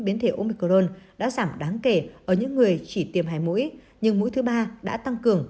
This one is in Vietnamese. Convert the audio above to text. biến thể omicron đã giảm đáng kể ở những người chỉ tiêm hài mũi nhưng mũi thứ ba đã tăng cường